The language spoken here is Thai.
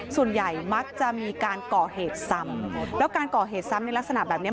ส่วนใหญ่มักจะมีการก่อเหตุซ้ำแล้วการก่อเหตุซ้ำในลักษณะแบบนี้